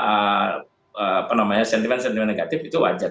apa namanya sentimen sentimen negatif itu wajar